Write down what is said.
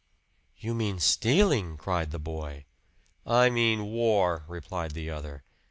"You mean stealing!" cried the boy. "I mean War," replied the other.